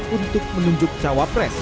untuk menunjuk cawapres